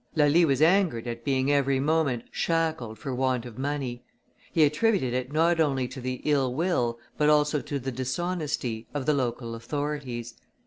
Lally was angered at being every moment shackled for want of money; he attributed it not only to the ill will, but also to the dishonesty, of the local authorities.